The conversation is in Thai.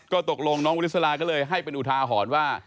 ก็ตกลงน้องวิทยาศาลาฮ์ก็เลยให้เป็นอุทาหรอนว่า